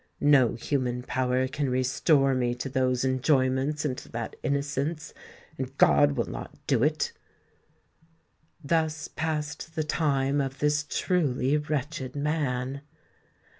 No human power can restore me to those enjoyments and to that innocence; and God will not do it!" Thus passed the time of this truly wretched man.